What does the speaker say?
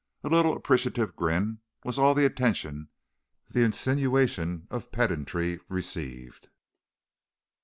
A little, appreciative grin was all the attention the insinuation of pedantry received.